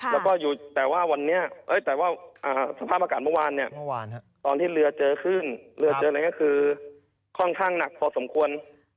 แล้วก็อยู่แต่ว่าวันนี้แต่ว่าสภาพอากาศเมื่อวานเนี่ยตอนที่เรือเจอขึ้นเรือเจออะไรก็คือค่อนข้างหนักพอสมควร